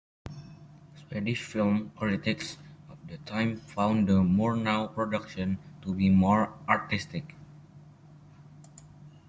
Swedish film critics of the time found the Murnau production to be more 'artistic'.